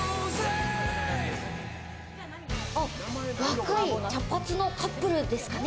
若い茶髪のカップルですかね。